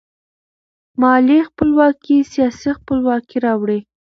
مالي خپلواکي سیاسي خپلواکي راوړي.